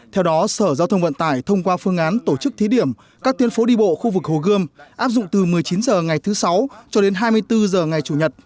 theo đó sở giao thông vận tải thông qua phương án tổ chức thí điểm các tuyến phố đi bộ khu vực hồ gươm áp dụng từ một mươi chín h ngày thứ sáu cho đến hai mươi bốn h ngày chủ nhật